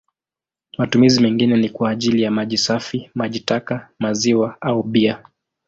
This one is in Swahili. Matumizi mengine ni kwa ajili ya maji safi, maji taka, maziwa au bia.